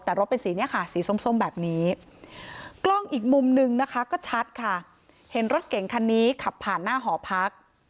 แต่รถเป็นสีนี้ค่ะสีส้มแบบนี้กล้องอีกมุมนึงนะคะก็ชัดค่ะเห็นรถเก่งคันนี้ขับผ่านหน้าหอพัก